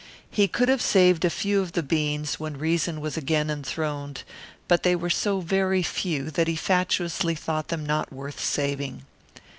He could have saved a few of the beans when reason was again enthroned, but they were so very few that he fatuously thought them not worth saving.